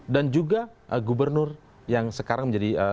dan juga gubernur yang sekarang menjadi